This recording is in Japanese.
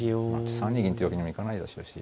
３二銀っていうわけにもいかないでしょうし。